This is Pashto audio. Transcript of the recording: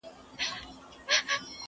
ټولنه د درد ريښه جوړوي تل.